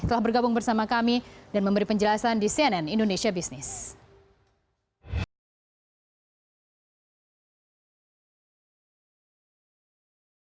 terima kasih pak budi setiadi dirjen perhubungan darat dari kementerian perhubungan terima kasih pak budi setiadi dirjen perhubungan darat dari kementerian perhubungan terima kasih